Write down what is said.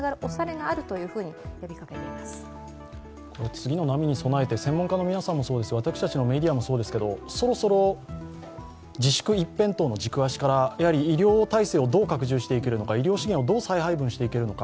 次の波に備えて専門家の皆さんもそうですが私たちのメディアもそうですけど、そろそろ自粛一辺倒の軸足から医療体制をどう拡充していくのか、医療資源をどう配分していくのか。